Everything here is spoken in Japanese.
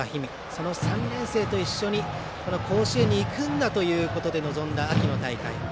その３年生と一緒にこの甲子園に行くんだということで臨んだ秋の大会。